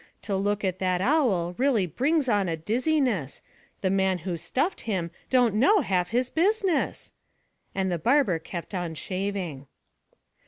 To look at that owl really brings on a dizziness; The man who stuffed him don't half know his business!' And the barber kept shaving.